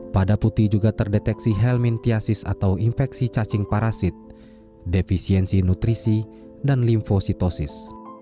pada putih juga terdeteksi helmintiasis atau infeksi cacing parasit defisiensi nutrisi dan limfositosis